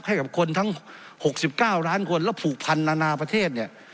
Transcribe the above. ให้กับคนทั้ง๖๙ล้านคนแล้วผูกพันนานาประเทศเนี่ย